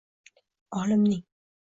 olimning